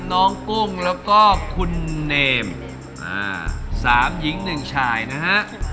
น้องกุ้งแล้วก็คุณเนมอ่าสามหญิงหนึ่งชายนะฮะ